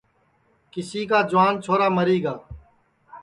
کنیئے کا جُوان چھورا مری گا